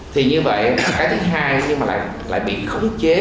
thì như vậy cái thứ hai là lại bị khống chế